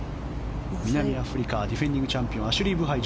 南アフリカディフェンディングチャンピオンアシュリー・ブハイ。